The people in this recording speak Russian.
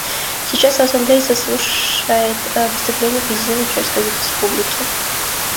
Сейчас Ассамблея заслушает выступление президента Чешской Республики.